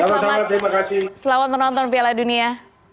selamat menonton piala dunia